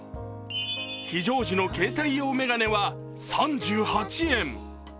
非常時の携帯用眼鏡は３８円。